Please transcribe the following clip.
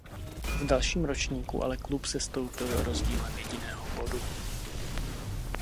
V dalším ročníku ale klub sestoupil rozdílem jediného bodu.